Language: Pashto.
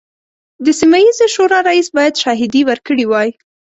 د سیمه ییزې شورا رئیس باید شاهدې ورکړي وای.